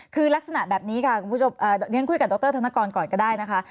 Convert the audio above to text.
คือลักษณะแบบนี้ค่ะคุณผู้ชมเรียนคุยกับดรธนกรก่อนก็ได้นะคะ